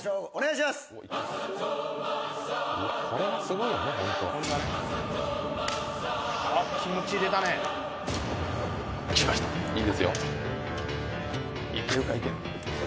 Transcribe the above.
いいですよ。